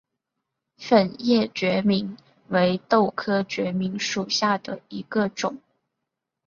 粉叶决明为豆科决明属下的一个种。